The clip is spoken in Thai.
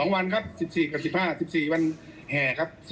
๒วันครับ๑๔๑๕วันแห่ครับ